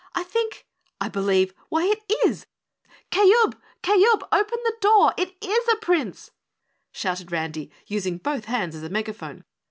I think I believe why it IS! Kayub, Kayub, open the door! It is a Prince!" shouted Randy, using both hands as a megaphone.